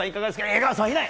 江川さんがいない！